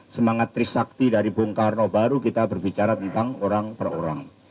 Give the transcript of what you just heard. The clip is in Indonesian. semangat trisakti dari bung karno baru kita berbicara tentang orang per orang